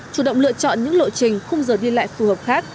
chủ động lựa chọn những lộ trình khung giờ đi lại phù hợp khác